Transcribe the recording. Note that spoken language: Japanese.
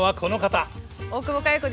大久保佳代子です。